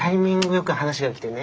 よく話が来てね